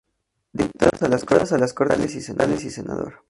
Diputado a las Cortes Generales y senador.